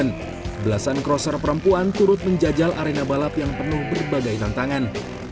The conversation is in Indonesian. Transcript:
belasan crosser perempuan turut menjajal arena balap yang penuh berbagai tantangan